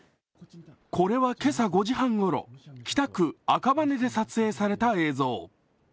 これは今朝５時半ごろ北区赤羽で撮影された映像。